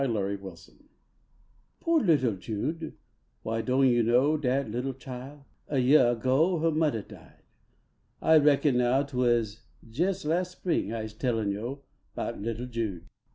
LITTLE JUDE Po little Jude, why, doan yo know Dat little chile ? A yeah ago Her muddah died. I reckon now Twas jais las spring Ise tellin yo Bout little Jude.